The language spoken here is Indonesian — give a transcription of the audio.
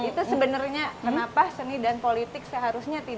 itu sebenarnya kenapa seni dan politik seharusnya tidak